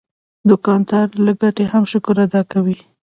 دوکاندار له ګټې هم شکر ادا کوي.